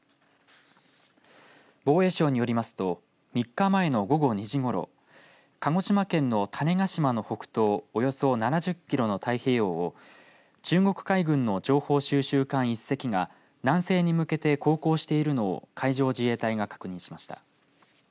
防衛省によりますと３日前の午後２時ごろ鹿児島県の種子島の北東およそ７０キロの太平洋を中国海軍の情報収集艦１隻が南西に向けて航行しているのを海上自衛隊が確認しました。